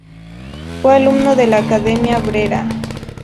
Fue alumno de la Academia Brera.